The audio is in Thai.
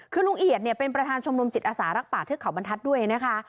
คือลุงเอียดเนี่ยเป็นประธานชมรมจิตอาสารักป่าเทือกเขาบรรทัศน์ด้วยนะคะ